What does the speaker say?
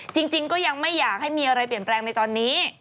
จริงก็ยังไม่อยากให้มีอะไรเปลี่ยนแปลงในตอนนี้